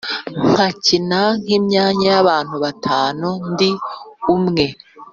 nkakina nk'imyanya y’abantu batanu ndi umwe,